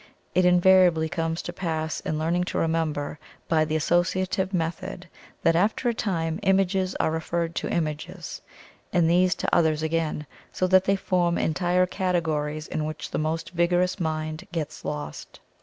It invariably comes to pass in learning to remember by the Associative method that after a time images are referred to images, and these to others again, so that they form entire categories in which the most vigorous mind gets lost.